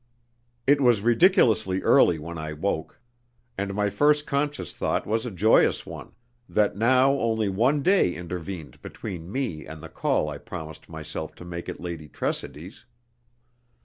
It was ridiculously early when I woke, and my first conscious thought was a joyous one, that now only one day intervened between me and the call I promised myself to make at Lady Tressidy's.